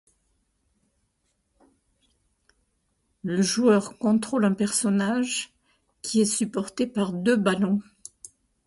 Le joueur contrôle un personnage qui est supporté par deux ballons.